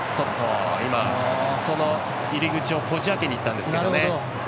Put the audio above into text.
その入り口をこじ開けにいったんですけどね。